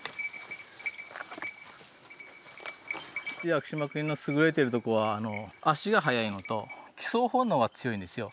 屋久島犬の優れているとこは足が速いのと帰巣本能が強いんですよ。